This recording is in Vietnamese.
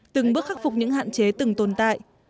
từng bước khắc phục những hạn chế từng tồn tại